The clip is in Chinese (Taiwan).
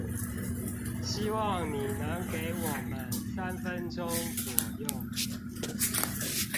希望你能給我們三分鐘左右